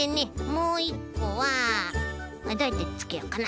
もういっこはどうやってつけようかな。